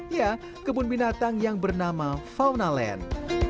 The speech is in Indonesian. ya kebun binatang yang bernama fauna land